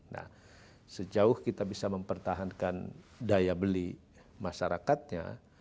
nah sejauh kita bisa mempertahankan daya beli masyarakatnya